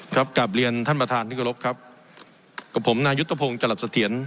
กลับเรียนท่านประธานที่กรบครับกับผมนายุทธพงศ์จรัสเสถียร